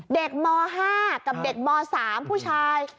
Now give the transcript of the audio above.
ม๕กับเด็กม๓ผู้ชาย